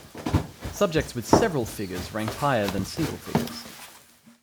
Subjects with several figures ranked higher than single figures.